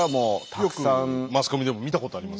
よくマスコミでも見たことあります